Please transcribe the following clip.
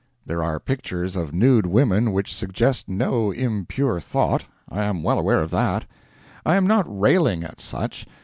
There are pictures of nude women which suggest no impure thought I am well aware of that. I am not railing at such.